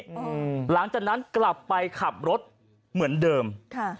อืมหลังจากนั้นกลับไปขับรถเหมือนเดิมค่ะ